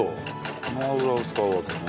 この油を使うわけね。